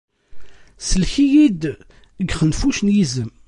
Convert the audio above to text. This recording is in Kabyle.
Sellek-iyi-d seg uxenfuc n yizem.